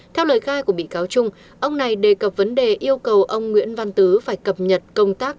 theo lời khai của bị cáo trung ông này đề cập vấn đề yêu cầu ông nguyễn văn tứ phải cập nhật công tác